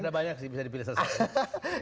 ada banyak sih bisa dipilih salah satu